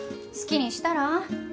好きにしたら？